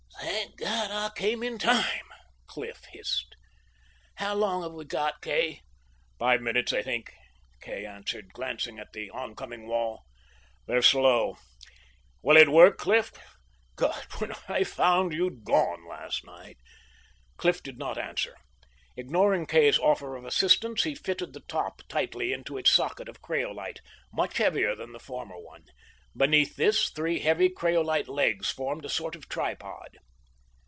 "Thank God I came in time," Cliff hissed. "How long have we got, Kay?" "Five minutes, I think," Kay answered, glancing at the oncoming wall. "They're slow. Will it work, Cliff? God, when I found you'd gone last night " Cliff did not answer. Ignoring Kay's offer of assistance, he fitted the top tightly into its socket of craolite, much heavier than the former one. Beneath this, three heavy craolite legs formed a sort of tripod.